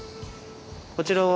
こちらは？